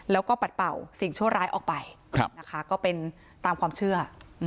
แล้วก็ปัดเป่าสิ่งชั่วร้ายออกไปนะคะก็เป็นตามความเชื่อ